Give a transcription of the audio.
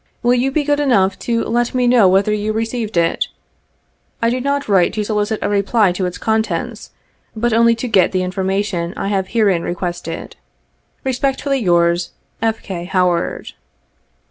Will you be good enough to let me know whether you received it ? I do not write to solicit a reply to its contents, but only to get the information I have herein requested. !t Respectfully, yours, "F. K. HOWARD.